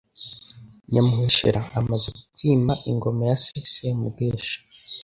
Nyamuheshera amaze kwima ingoma ya se Semugeshi,